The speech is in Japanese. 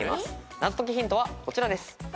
謎解きヒントはこちらです。